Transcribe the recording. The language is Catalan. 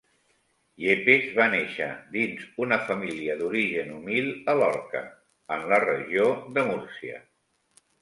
Yepes va néixer dins una família d'origen humil a Lorca, en la Regió de Múrcia.